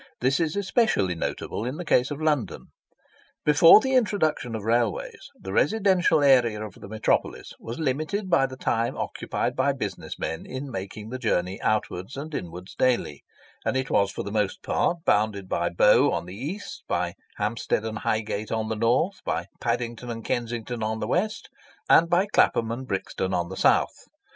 This is especially notable in the case of London. Before the introduction of railways, the residential area of the metropolis was limited by the time occupied by business men in making the journey outwards and inwards daily; and it was for the most part bounded by Bow on the east, by Hampstead and Highgate on the north, by Paddington and Kensington on the west, and by Clapham and Brixton on the south.